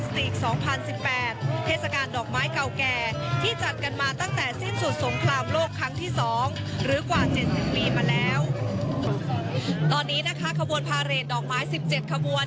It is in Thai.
ตอนนี้นะคะขบวนพาเรทดอกไม้๑๗ขบวน